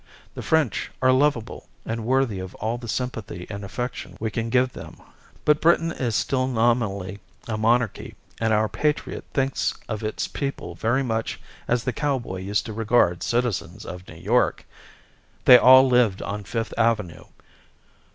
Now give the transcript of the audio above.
The French are lovable, and worthy of all the sympathy and affection we can give them. But Britain is still nominally a monarchy; and our patriot thinks of its people very much as the cowboy used to regard citizens of New York. They all lived on Fifth Avenue.